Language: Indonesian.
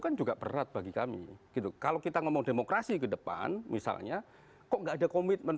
kan juga berat bagi kami gitu kalau kita ngomong demokrasi kedepan misalnya kok nggak ada komitmen